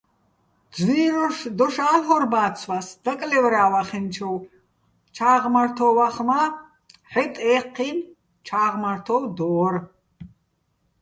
ძვიროშ დოშ ა́ლ'ორ ბა́ცვას, დაკლე́ვრა́ვახენჩოვ, ჩა́ღმართო́ვახ მა́ "ჰ̦ეტ-ე́ჴჴინო̆ ჩა́ღმართო́ვ" დო́რ.